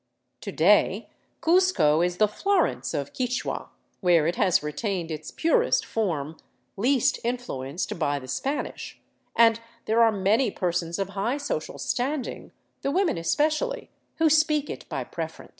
To day Cuzco is the Florence of Qui chua, where it has retained its purest form, least influenced by the Spanish, and there are many persons of high social standing, the women especially, who speak it by preference.